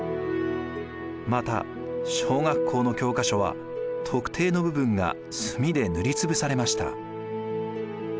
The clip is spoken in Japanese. また小学校の教科書は特定の部分が墨で塗り潰されました。